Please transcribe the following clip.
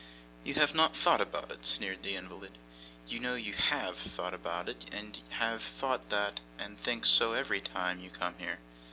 'You have not thought about it!' sneered the invalid. 'You know you HAVE thought about it, and have thought that, and think so every time you come here.